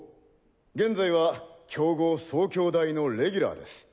現在は強豪早教大のレギュラーです。